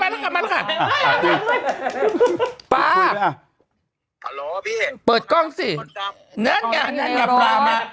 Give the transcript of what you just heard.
มาแล้วค่ะมาแล้วค่ะปลาหรอเปิดกล้องสินั่นไงนั่นไงปลา